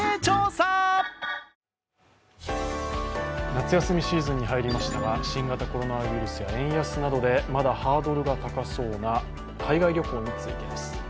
夏休みシーズンに入りましたが新型コロナウイルスは円安などでまだハードルが高そうな海外旅行についてです。